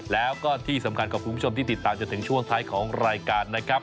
แล้วก็ที่สำคัญขอบคุณผู้ชมที่ติดตามจนถึงช่วงท้ายของรายการนะครับ